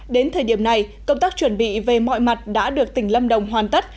đến thời điểm này công tác chuẩn bị về mọi mặt đã được tỉnh lâm đồng hoàn tất